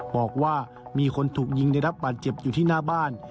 บอกว่ามีคนถูกยิงได้รับบาดเจ็บอยู่ที่หน้าบ้าน